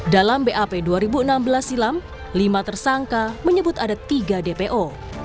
dalam bap dua ribu enam belas silam lima tersangka menyebut ada tiga dpo